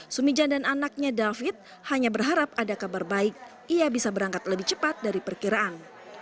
sumijan dan anaknya david hanya berharap ada kabar baik ia bisa berangkat lebih cepat dari perkiraan